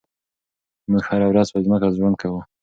موږ هره ورځ پر ځمکه ژوند کوو.